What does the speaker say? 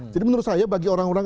jadi menurut saya bagi orang orang